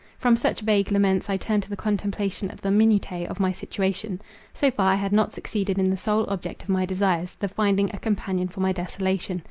From such vague laments I turned to the contemplation of the minutiae of my situation. So far, I had not succeeded in the sole object of my desires, the finding a companion for my desolation.